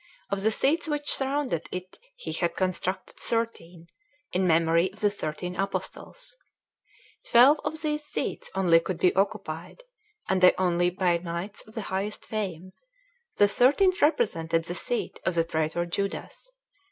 Of the seats which surrounded it he had constructed thirteen, in memory of the thirteen Apostles. Twelve of these seats only could be occupied, and they only by knights of the highest fame; the thirteenth represented the seat of the traitor Judas.